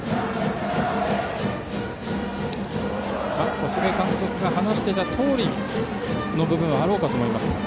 小菅監督が話していたとおりの部分はあろうかと思います。